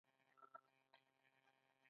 ایا ستاسو شربت به خوږ وي؟